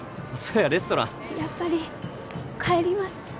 やっぱり帰ります。